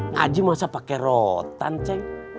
ngaji masa pakai rotan ceng